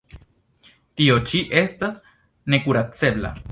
Tio ĉi estas nekuracebla.